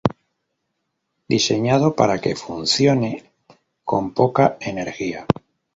Diseñado para que funcione con poca energía.